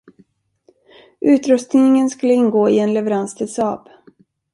Utrustningen skulle ingå i en leverans till Saab.